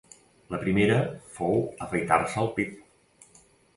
La primera fou afaitar-se el pit.